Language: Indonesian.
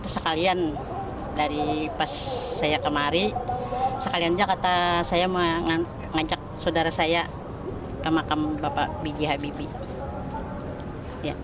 sekalian dari pas saya kemari sekalian jakarta saya mengajak saudara saya ke makam bapak bg habibie